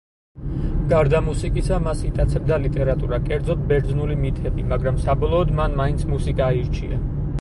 გარდა მუსიკისა მას იტაცებდა ლიტერატურა, კერძოდ ბერძნული მითები, მაგრამ საბოლოოდ მან მაინც მუსიკა აირჩია.